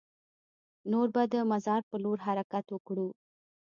نور به د مزار په لور حرکت وکړو.